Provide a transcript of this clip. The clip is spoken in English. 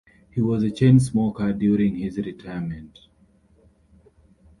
He was a chain smoker during his retirement.